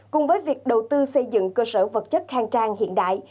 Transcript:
cùng với việc đầu tư xây dựng cơ sở vật chất khang trang hiện đại